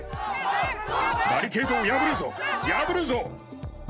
バリケードを破るぞ、破るぞ。